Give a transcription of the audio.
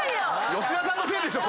吉田さんのせいでしょ！